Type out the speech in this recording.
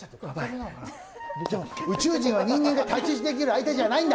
宇宙人は人間が太刀打ちできる相手じゃないんだ。